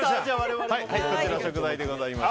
こちらが食材でございます。